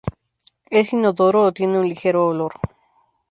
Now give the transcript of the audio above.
Es inodoro o tiene un ligero olor.